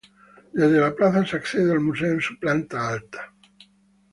Desde la plaza se accede al museo en su planta alta.